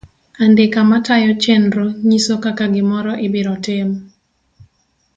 Andika matayo chenrno ng'iso kaka gi moro ibiro tim.